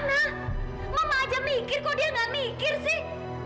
mama aja mikir kok dia nggak mikir sih